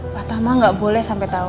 pak tama gak boleh sampai tau